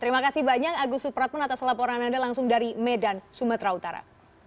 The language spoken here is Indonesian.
terima kasih banyak agus supratman atas laporan anda langsung dari medan sumatera utara